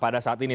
pada saat ini